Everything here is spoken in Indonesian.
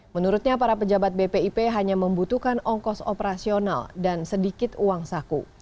menurutnya para pejabat bpip hanya membutuhkan ongkos operasional dan sedikit uang saku